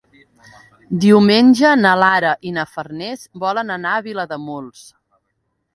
Diumenge na Lara i na Farners volen anar a Vilademuls.